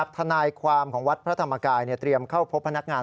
ทนายความของวัดพระธรรมกายเตรียมเข้าพบพนักงาน